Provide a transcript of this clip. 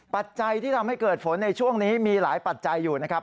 ปัจจัยที่ทำให้เกิดฝนในช่วงนี้มีหลายปัจจัยอยู่นะครับ